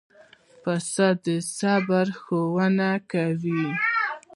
پسه د صبر ښوونه کوي.